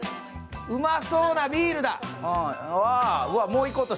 うまそうなビールだ！